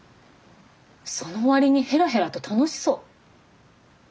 その割にヘラヘラと楽しそう。